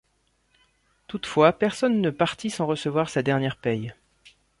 Toutefois personne ne partit sans recevoir sa dernière paye.